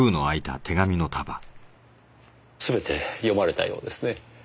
すべて読まれたようですね。